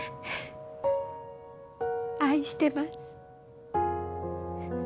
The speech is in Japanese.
愛してます。